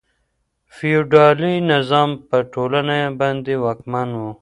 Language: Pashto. فیوډالي نظام په ټولنه باندې واکمن و.